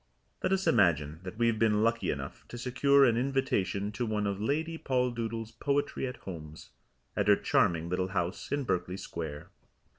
Let us imagine that we have been lucky enough to secure an invitation to one of Lady Poldoodle's Poetry At Homes, at her charming little house in Berkeley Square.